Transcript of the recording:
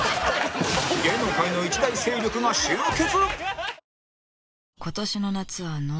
芸能界の一大勢力が集結！